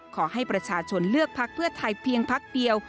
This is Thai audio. ขอให้ประชาชนเลือกพักเพื่อไทยเพียงพักเดียว